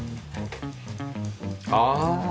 ああ。